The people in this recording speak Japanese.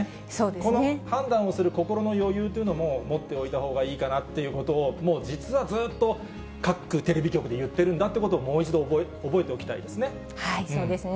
この判断をする心の余裕というのも持っておいた方がいいかなということを、もう実はずっと、各テレビ局で言ってるんだということをもう一度覚えておきたいですね。